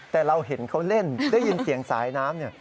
แต่เราเห็นเขาเล่นได้ยินเสียงสายน้ำเนี่ย